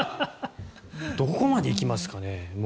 どこまで行きますかね。